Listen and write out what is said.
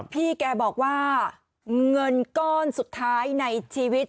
พี่แกบอกว่าเงินก้อนสุดท้ายในชีวิต